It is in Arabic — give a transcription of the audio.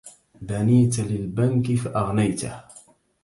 بنيتَ للبنك فأغنيته